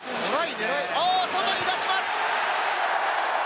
外に出します。